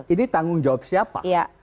ini tanggung jawab siapa